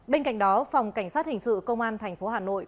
bên cạnh đó phòng cảnh sát hình sự công an thành phố hà nội